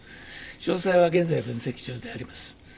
詳細は現在分析中であります。